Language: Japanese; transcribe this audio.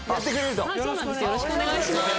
よろしくお願いします。